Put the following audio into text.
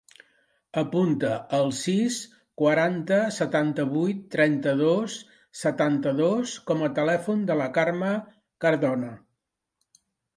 Apunta el sis, quaranta, setanta-vuit, trenta-dos, setanta-dos com a telèfon de la Carmen Cardona.